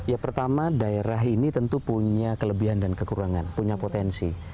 ya pertama daerah ini tentu punya kelebihan dan kekurangan punya potensi